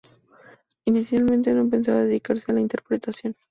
Inicialmente no pensaba dedicarse a la interpretación.